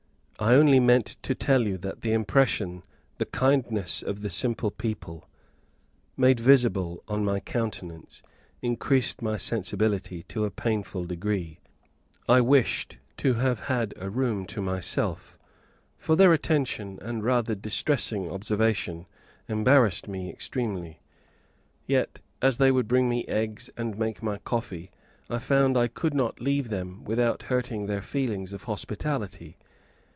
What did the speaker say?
I only meant to tell you that the impression the kindness of the simple people made visible on my countenance increased my sensibility to a painful degree. I wished to have had a room to myself, for their attention, and rather distressing observation, embarrassed me extremely. Yet, as they would bring me eggs, and make my coffee, I found I could not leave them without hurting their feelings of hospitality.